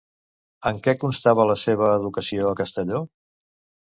En què constava la seva educació a Castelló?